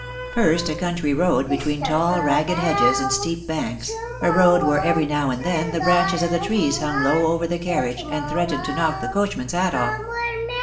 First a country road between tall ragged hedges and steep banks, a road where every now and then THE LOVELACE OF HIS DAY. 43 the branches of the trees hung low over the carriage and threatened to knock the coachman's hat off.